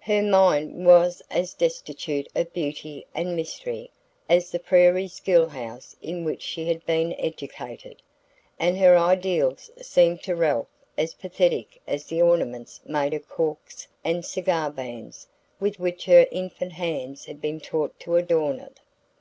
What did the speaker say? Her mind was as destitute of beauty and mystery as the prairie school house in which she had been educated; and her ideals seemed to Ralph as pathetic as the ornaments made of corks and cigar bands with which her infant hands had been taught to adorn it.